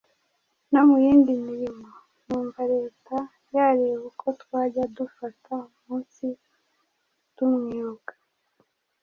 no muyindi mirimo ,numva leta yareba uko twajya dufata umunsi tumwibuka